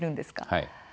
はい。